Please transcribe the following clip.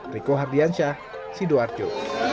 riko hardiansyah sidoarjo